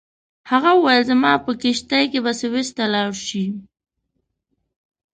هغه وویل زما په کښتۍ کې به سویس ته لاړ شې.